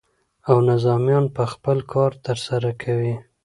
او نظامیان به خپل کار ترسره کوي.